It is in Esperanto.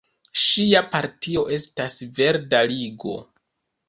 Ŝia partio estas Verda Ligo.